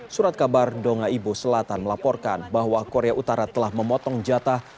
surat kabar donga ibo selatan melaporkan bahwa korea utara telah memotong jatah